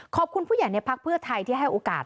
ขอบคุณผู้ใหญ่ในพักเพื่อไทยที่ให้โอกาส